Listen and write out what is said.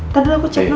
taduh aku cek dulu